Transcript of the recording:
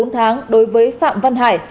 bốn tháng đối với phạm văn hải